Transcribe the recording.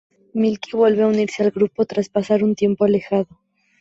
Milky vuelve a unirse al grupo tras pasar un tiempo alejado.